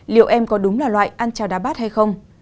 liệu em có đúng là loại ăn trào đá bát hay không